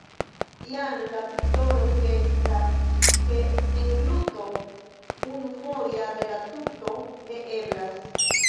Jam la titolo sugestas, ke engluto unufoja de la tuto ne eblas.